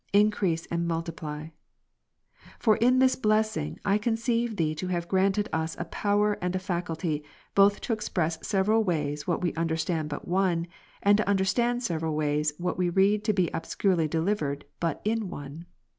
Increase and mul tiply' For in this blessing, I conceive Thee to have granted us a power and a faculty, both to express several ways what we understand but one; and to understand several ways, what we read to be obscurely delivered but in one.